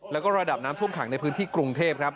แล้วก็ระดับน้ำท่วมขังในพื้นที่กรุงเทพครับ